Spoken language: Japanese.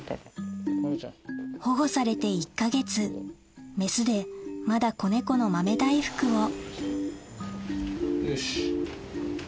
保護されて１か月メスでまだ子猫の豆大福をよし。